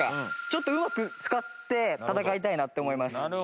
ちょっとうまく使って戦いたいなって思います。